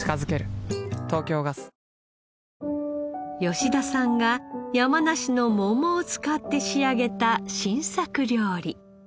吉田さんが山梨の桃を使って仕上げた新作料理。